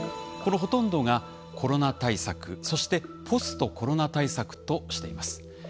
このほとんどがコロナ対策そしてポストコロナ対策としています。